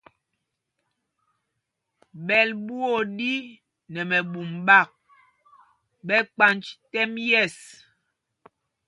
Ɓɛ́l ɓuá o ɗí nɛ mɛbûm ɓák ɓɛ kpanj tɛ́m yɛ̂ɛs.